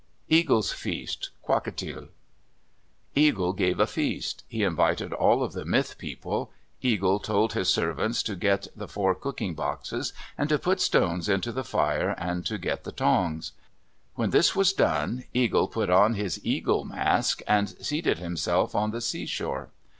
EAGLE'S FEAST Kwakiutl Eagle gave a feast. He invited all of the myth people. Eagle told his servants to get the four cooking boxes and to put stones into the fire and to get the tongs. When this was done, Eagle put on his eagle mask and seated himself on the seashore.